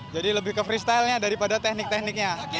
jadi lebih ke freestylenya daripada teknik tekniknya